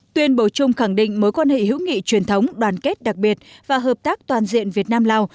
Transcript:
tuyên bố chung khẳng định mối quan hệ hữu nghị truyền thống đoàn kết đặc biệt và hợp tác toàn diện việt nam lào